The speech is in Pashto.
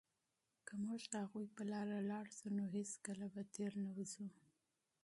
که موږ د هغوی په لاره لاړ شو، نو هېڅکله به تېرو نه شو.